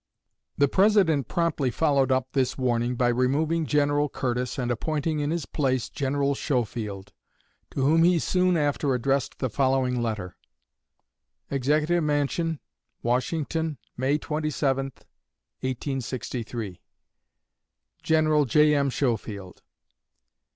The President promptly followed up this warning by removing General Curtis, and appointing in his place General Schofield, to whom he soon after addressed the following letter: EXECUTIVE MANSION, WASHINGTON, May 27, 1863. GENERAL J.M. SCHOFIELD.